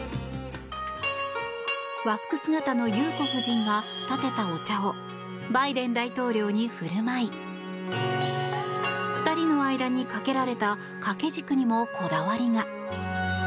和服姿の裕子夫人がたてたお茶をバイデン大統領に振る舞い２人の間に掛けられた掛け軸にもこだわりが。